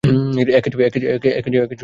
এক KG tomato দিন।